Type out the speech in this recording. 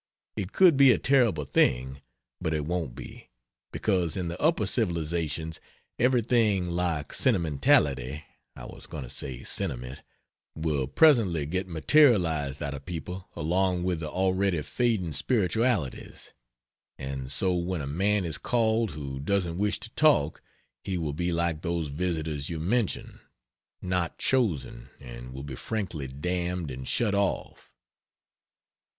It could be a terrible thing, but it won't be, because in the upper civilizations everything like sentimentality (I was going to say sentiment) will presently get materialized out of people along with the already fading spiritualities; and so when a man is called who doesn't wish to talk he will be like those visitors you mention: "not chosen" and will be frankly damned and shut off.